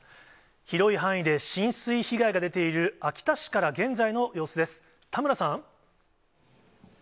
広い範囲で浸水被害が出ている秋田市から現在の様子です。